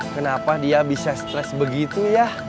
kenapa dia bisa stres begitu ya